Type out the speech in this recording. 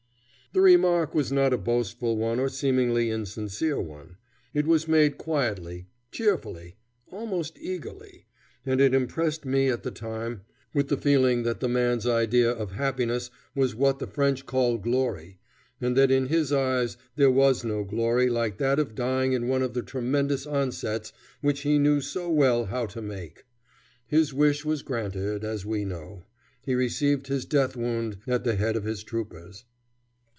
_" The remark was not a boastful or seemingly insincere one. It was made quietly, cheerfully, almost eagerly, and it impressed me at the time with the feeling that the man's idea of happiness was what the French call glory, and that in his eyes there was no glory like that of dying in one of the tremendous onsets which he knew so well how to make. His wish was granted, as we know. He received his death wound at the head of his troopers.